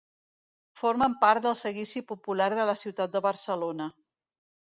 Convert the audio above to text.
Formen part del Seguici Popular de la Ciutat de Barcelona.